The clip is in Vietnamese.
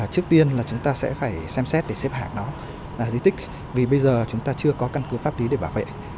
trước tiên là chúng ta sẽ phải xem xét để xếp hạng nó là di tích vì bây giờ chúng ta chưa có căn cứ pháp lý để bảo vệ